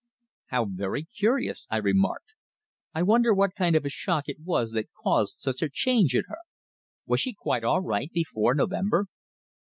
"How very curious!" I remarked. "I wonder what kind of shock it was that caused such a change in her? Was she quite all right before November?"